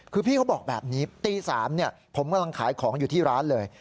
คือพี่เขาบอกแบบนี้ตี๓ผมกำลังขายของอยู่ที่ร้านเลย